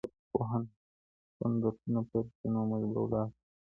که پوهنتون درسونه پیل کړي نو موږ به ولاړ سو.